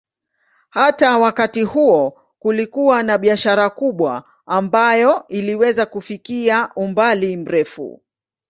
Hata wakati huo kulikuwa na biashara kubwa ambayo iliweza kufikia umbali mrefu.